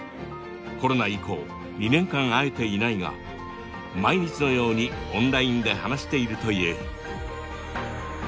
コロナ以降２年間会えていないが毎日のようにオンラインで話しているという。